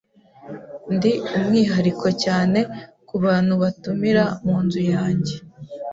Ndi umwihariko cyane kubantu batumira munzu yanjye.